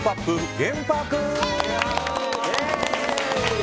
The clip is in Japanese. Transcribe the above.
ゲームパーク！